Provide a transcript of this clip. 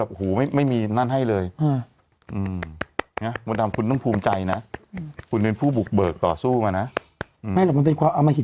ก็เป็นศาพนาบูรสนาพวกเจอไง